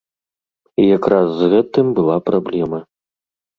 І якраз з гэтым была праблема.